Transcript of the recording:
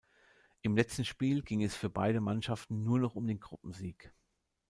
Im letzten Spiel ging es für beide Mannschaften nur noch um den Gruppensieg.